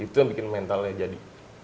itu yang bikin mentalnya jadi